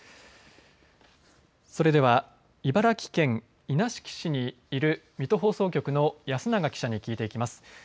それでは茨城県稲敷市にいる水戸放送局の安永記者に聞いていきます。